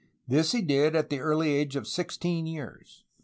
This he did at the early age of sixteen years.